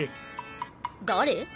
誰？